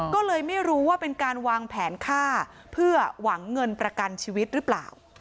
ก็เลยไม่รู้ว่าเป็นการวางแผนฆ่าเพื่อหวังเงินประกันชีวิตหรือเปล่า